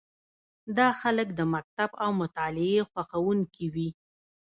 دا خلک د مکتب او مطالعې خوښوونکي وي.